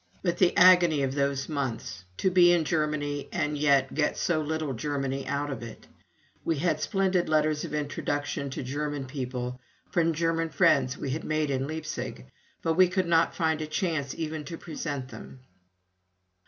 But the agony of those months: to be in Germany and yet get so little Germany out of it! We had splendid letters of introduction to German people, from German friends we had made in Leipzig, but we could not find a chance even to present them.